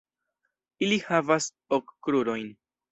Ili havas ok krurojn.